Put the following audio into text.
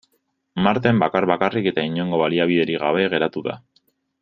Marten bakar-bakarrik eta inongo baliabiderik gabe geratu da.